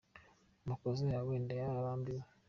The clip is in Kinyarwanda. Amakosa yawe ndayarambiwe.